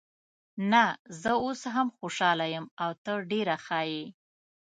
نه، زه اوس هم خوشحاله یم او ته ډېره ښه یې.